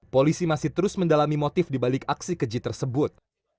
polisi masih terus mendalami motif dibalik aksi keji tersebut